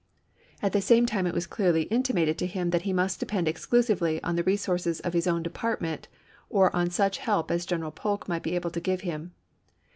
At the same time it was clearly in pp/263^'264. timated to him that he must depend exclusively on the resources of his own department or on such help as General Polk might be able to give him.